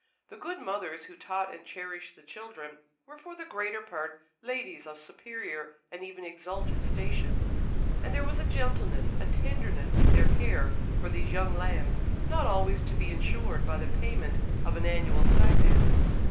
The good mothers who taught and cherished the children were for the greater part ladies of superior and even exalted station; and there was a gentleness, a tenderness, in their care for these young lambs not always to be insured by the payment of an annual stipend.